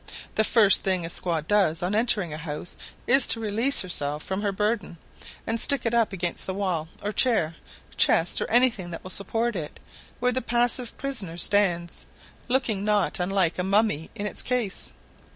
The first thing a squaw does on entering a house is to release herself from her burden, and stick it up against the wall or chair, chest, or any thing that will support it, where the passive prisoner stands, looking not unlike a mummy in its case.